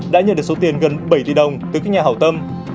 đã nhận được số tiền gần bảy tỷ đồng từ các nhà hảo tâm